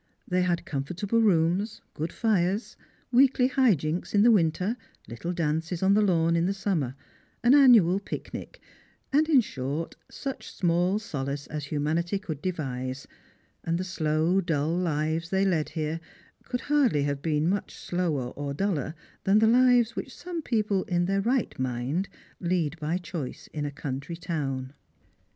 They had comfortable rooms, good fires, weekly high jinks in the winter, little dances on the lawn in the summer, an annual pic nic, and, in short, such small solace as humanity could devise ; and the slow dull lives they led here could hardly have been much slower or duller than the lives which some people, in their right mind, lead by choice in a country town.